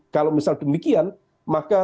kalau misal demikian maka